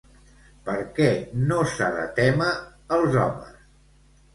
Per què no s'ha de témer els homes?